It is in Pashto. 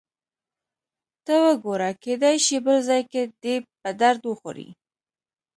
ته وګوره، کېدای شي بل ځای کې دې په درد وخوري.